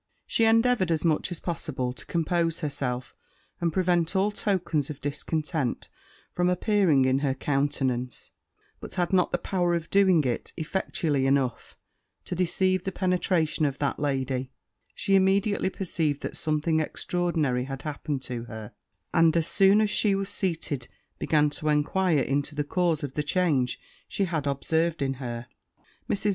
She endeavoured, as much as possible, to compose herself, and prevent all tokens of discontent from appearing in her countenance, but had not the power of doing it effectually enough to deceive the penetration of that lady; she immediately perceived that something extraordinary had happened to her; and, as soon as she was seated, began to enquire into the cause of the change she had observed in her. Mrs.